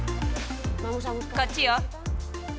こっちよ。